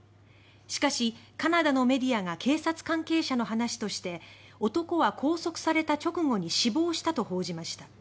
しかし、カナダのメディアが警察関係者の話として男は拘束された直後に死亡したと報じました。